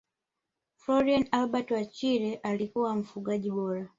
frolian albert wa chile alikuwa mfungaji bora